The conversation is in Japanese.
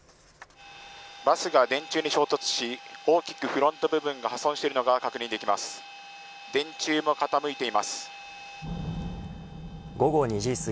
バスが電柱に衝突し大きくフロント部分が破損しているのが確認できます。